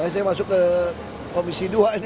saya masuk ke komisi dua